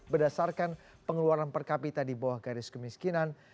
berdasarkan pengeluaran per kapita di bawah garis kemiskinan